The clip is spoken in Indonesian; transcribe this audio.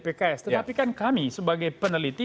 pks tetapi kan kami sebagai peneliti